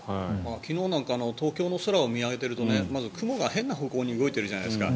昨日なんか東京の空を見上げているとまず雲が変な方向に動いているじゃないですか。